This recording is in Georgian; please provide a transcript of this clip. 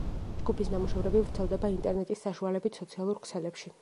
ჯგუფის ნამუშევრები ვრცელდება ინტერნეტის საშუალებით, სოციალურ ქსელებში.